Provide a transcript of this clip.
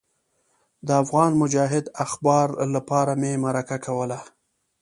د افغان مجاهد اخبار لپاره مې مرکه کوله.